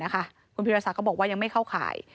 คุณพิรษักก็บอกว่ายังไม่เข้าข่าย